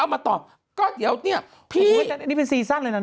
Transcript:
แล้วเมื่อสิทธิสมบุคคลเด็กอาจเจียนเป็นเลือดได้ก็ยังเฟซบุ๊คล่ะก็คือยังถ่าย